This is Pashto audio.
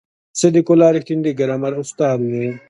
صدیق الله رښتین د ګرامر استاد و.